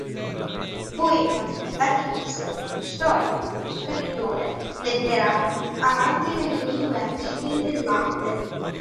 Poeta, latinista, storico, scrittore, letterato, amante delle lingue antiche e dell'arte.